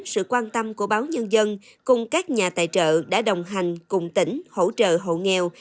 sự quan tâm của báo nhân dân cùng các nhà tài trợ đã đồng hành cùng tỉnh hỗ trợ hộ nghèo